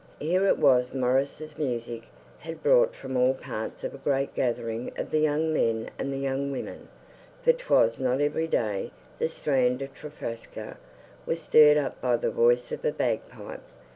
Here is was that Maurice's music had brought from all parts a great gathering of the young men and the young women; for 'twas not every day the strand of Trafraska was stirred up by the voice of a bagpipe.